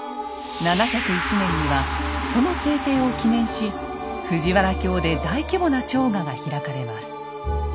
７０１年にはその制定を記念し藤原京で大規模な朝賀が開かれます。